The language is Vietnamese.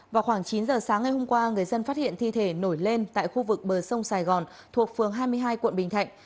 vào khoảng chín giờ sáng ngày hôm qua người dân phát hiện thi thể nổi lên tại khu vực bờ sông sài gòn thuộc phường hai mươi hai quận bình thạnh